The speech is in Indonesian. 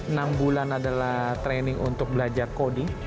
enam bulan adalah training untuk belajar coding